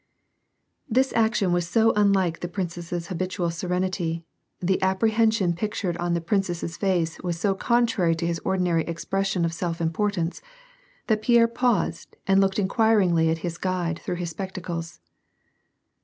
This action was so unlike the princess's habitual serenity, the apprehension pictured on the prince's face was so con trary to his ordinary expression of self importance, that Pierre paused and looked inquiringly at his guide through his spectacles.